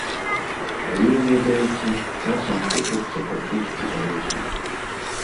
Але, ведаеце, часам хочацца пачуць і паэзію.